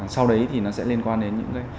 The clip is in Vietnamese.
sau đấy thì nó sẽ liên quan đến những cái